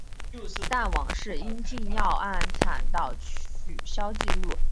但往后因禁药案遭到取消记录。